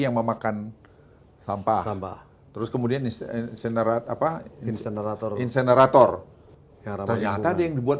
yang memakan sampah terus kemudian di sendara apa insenerator insenerator nyayatnya yang dibuat